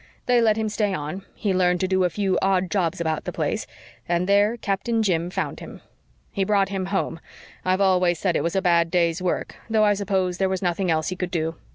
They let him stay on he learned to do a few odd jobs about the place and there Captain Jim found him. He brought him home I've always said it was a bad day's work, though I s'pose there was nothing else he could do.